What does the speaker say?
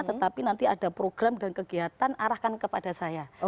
tetapi nanti ada program dan kegiatan arahkan kepada saya